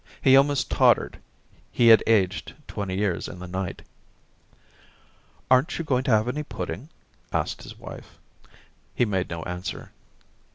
He almost tottered ; he had aged twenty years in the night. * Aren't you going to have any pudding ?' asked his wife* He made no answer.